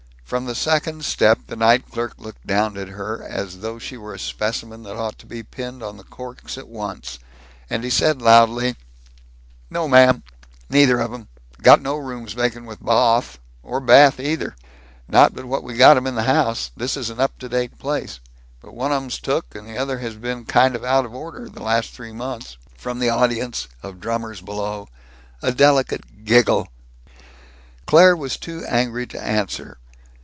From the second step the night clerk looked down at her as though she were a specimen that ought to be pinned on the corks at once, and he said loudly, "No, ma'am. Neither of 'em. Got no rooms vacant with bawth, or bath either! Not but what we got 'em in the house. This is an up to date place. But one of 'm's took, and the other has kind of been out of order, the last three four months." From the audience of drummers below, a delicate giggle. Claire was too angry to answer.